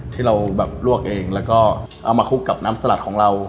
ที่เราแบบลวกเองแล้วก็เอามาคลุกกับน้ำสลัดของเรา